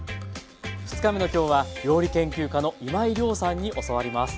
２日目の今日は料理研究家の今井亮さんに教わります。